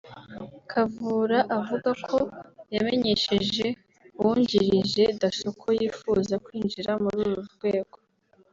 Kavura avuga ko yamenyesheje uwungirije Dasso ko yifuza kwinjira muri uru rwego